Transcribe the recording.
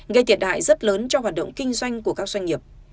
gây thiệt hại rất lớn cho hoạt động kinh doanh của các doanh nghiệp